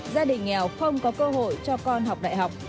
gia đình nghèo không có cơ hội cho con học đại học